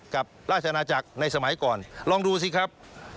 กับราชนาจักรในสมัยก่อนลองดูสิครับ